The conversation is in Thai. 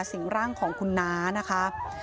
สิ่งร่างของคุณน้านะคะ